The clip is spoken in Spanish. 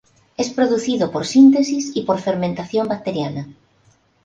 Es producido por síntesis y por fermentación bacteriana.